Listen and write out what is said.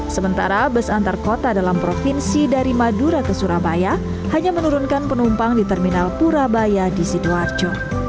sementara bus antar kota dalam provinsi dari madura ke surabaya hanya menurunkan penumpang di terminal purabaya di sidoarjo